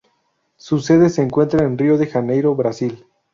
Su sede se encuentra en Río de Janeiro, Brasil.